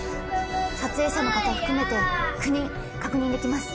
撮影者の方含めて９人確認できます